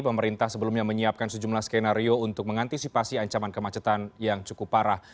pemerintah sebelumnya menyiapkan sejumlah skenario untuk mengantisipasi ancaman kemacetan yang cukup parah